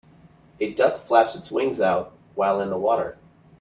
A duck flaps its wings out while in the water.